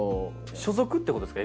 所属ってことですか？